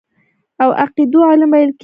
او عقيدو علم ويل کېږي.